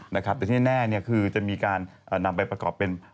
แต่ที่แน่คือจะมีการนำไปประกอบเป็น